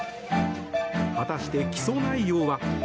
果たして起訴内容は？